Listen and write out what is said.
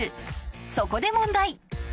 ［そこで問題］